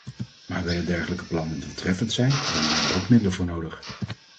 Maar willen dergelijke plannen doeltreffend zijn, dan zijn er ook middelen voor nodig.